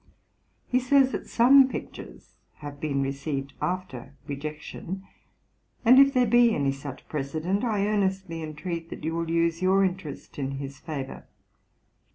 He says, that some pictures have been received after rejection; and if there be any such precedent, I earnestly entreat that you will use your interest in his favour.